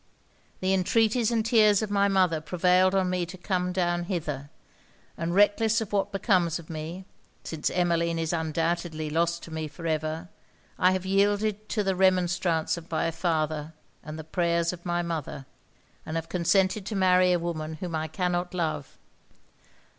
The entreaties and tears of my mother prevailed on me to come down hither; and reckless of what becomes of me, since Emmeline is undoubtedly lost to me for ever, I have yielded to the remonstrance of my father and the prayers of my mother, and have consented to marry a woman whom I cannot love.